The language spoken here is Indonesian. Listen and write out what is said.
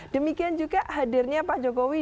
demikian juga hadirnya pak jokowi